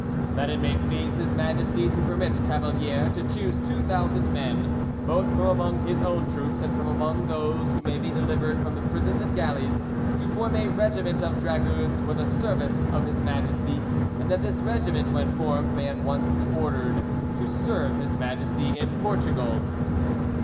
That it may please His Majesty to permit Cavalier to choose 2000 men, both from among his own troops and from among those who may be delivered from the prisons and galleys, to form a regiment of dragoons for the service of His Majesty, and that this regiment when formed may at once be ordered to serve His Majesty in Portugal.